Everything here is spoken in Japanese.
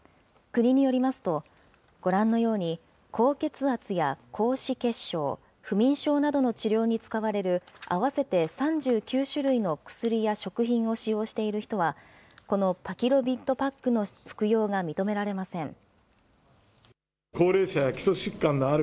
国によりますと、ご覧のように高血圧や高脂血症、不眠症などの治療に使われる、合わせて３９種類の薬や食品を使用している人は、このパキロビッドパックの服用が認められません。